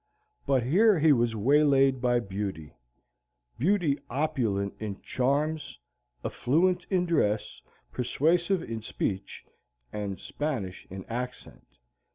But here he was waylaid by Beauty, Beauty opulent in charms, affluent in dress, persuasive in speech, and Spanish in accent!